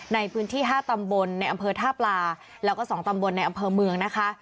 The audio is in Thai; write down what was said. ในพื้นที่๕ตำบลในอำเภอท่าปลาแล้วก็๒ตำบลในอำเภอเมืองนะคะ